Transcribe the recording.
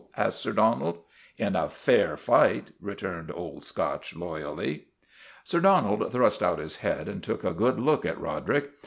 " asked Sir Donald. ' In a fair fight," returned Old Scotch loyally. Sir Donald thrust out his head and took a good look at Roderick.